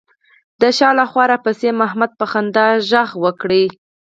د شا له خوا راپسې محمد په خندا غږ کړل.